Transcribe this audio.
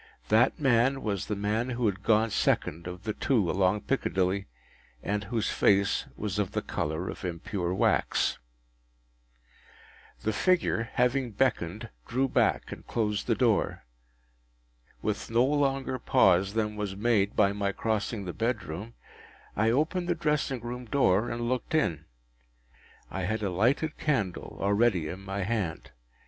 That man was the man who had gone second of the two along Piccadilly, and whose face was of the colour of impure wax. The figure, having beckoned, drew back, and closed the door. With no longer pause than was made by my crossing the bedroom, I opened the dressing room door, and looked in. I had a lighted candle already in my hand.